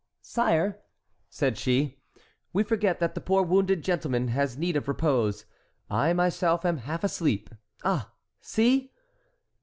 "Sire," said she, "we forget that the poor wounded gentleman has need of repose. I myself am half asleep. Ah, see!"